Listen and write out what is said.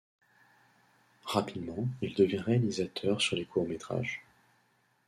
Rapidement il devient réalisateur sur les courts métrages.